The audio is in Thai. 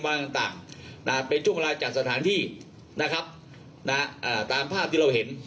ต่างเป็นช่วงเวลาจัดสถานที่นะครับตามภาพที่เราเห็น